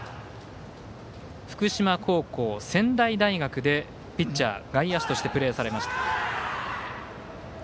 福島高校、仙台大学でピッチャー、外野手としてプレーされました。